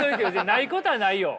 ないことはないよ。